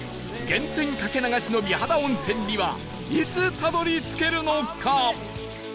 源泉掛け流しの美肌温泉にはいつたどり着けるのか？